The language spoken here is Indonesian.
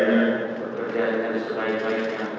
dengan perkembangan sepaya paya